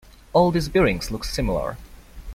All these bearings look similar.